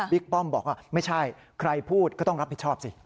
ป้อมบอกว่าไม่ใช่ใครพูดก็ต้องรับผิดชอบสิ